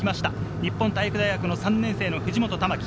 日本体育大学３年生、藤本珠輝。